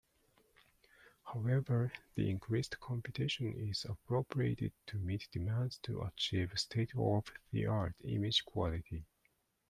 However, the increased computation is appropriated to meet demands to achieve state-of-the-art image quality.